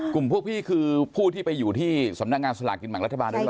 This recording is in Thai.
กลุ่มพวกพี่คือผู้ที่ไปอยู่ที่สำนาคันสตราคิณหมัครัฐบาล